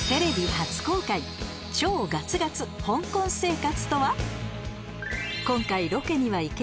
超ガツガツ香港生活とは？